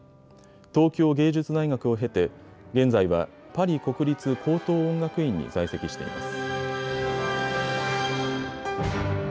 東京藝術大学を経て現在はパリ国立高等音楽院に在籍しています。